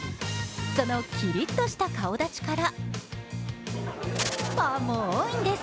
そのキリッとした顔立ちから、ファンも多いんです。